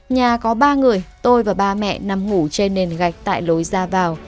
nhà có ba người tôi và ba mẹ nằm ngủ trên nền gạch tại lối ra vào